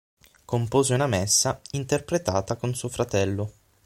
Compose una messa, interpretata con suo fratello.